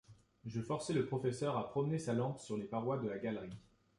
Je forçai le professeur à promener sa lampe sur les parois de la galerie.